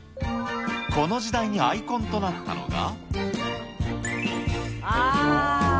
この時代にアイコンとなったのが。